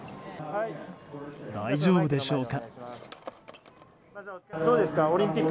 大丈夫でしょうか。